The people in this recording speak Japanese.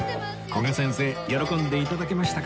古賀先生喜んで頂けましたか？